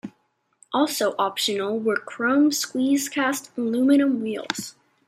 Also optional were chrome squeeze-cast aluminum wheels.